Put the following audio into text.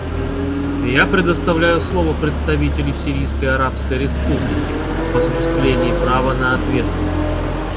Я предоставляю слово представителю Сирийской Арабской Республики в осуществление права на ответ.